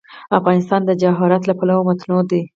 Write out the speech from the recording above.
افغانستان د جواهرات له پلوه متنوع دی.